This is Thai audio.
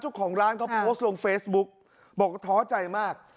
เจ้าของร้านเขาโพสต์ลงเฟซบุ๊กบอกว่าท้อใจมาก